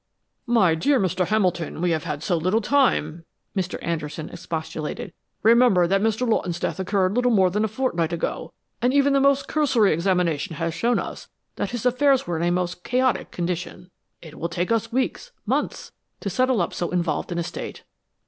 "My dear Mr. Hamilton, we have had so little time," Mr. Anderson expostulated. "Remember that Mr. Lawton's death occurred little more than a fortnight ago, and even the most cursory examination has shown us that his affairs were in a most chaotic condition. It will take us weeks, months, to settle up so involved an estate.